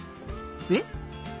えっ？